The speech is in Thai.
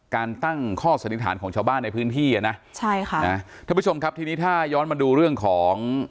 การตั้งข้อสันนิษฐานของชาวบ้านในพื้นที่อ่ะนะใช่ค่ะนะท่านผู้ชมครับทีนี้ถ้าย้อนมาดูเรื่องของ